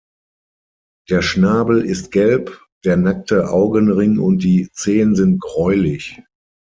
Der Schnabel ist gelb, der nackte Augenring und die Zehen sind gräulich.